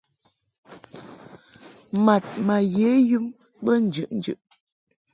Mad ma ye yum be njɨʼnjɨʼ.